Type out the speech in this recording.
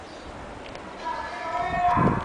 که کمپیوټر نه وي نو پروګرامینګ ناممکن دی.